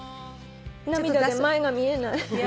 涙で前が見えない。